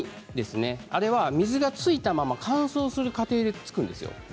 あれは、水がついたまま乾燥する過程でつくんですよ。